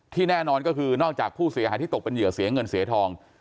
แน่นอนก็คือนอกจากผู้เสียหายที่ตกเป็นเหยื่อเสียเงินเสียทอง